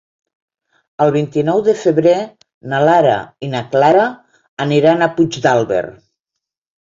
El vint-i-nou de febrer na Lara i na Clara aniran a Puigdàlber.